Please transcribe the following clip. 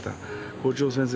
校長先生